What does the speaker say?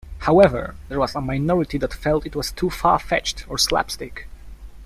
However, there was a minority that felt it was too far-fetched or slapstick.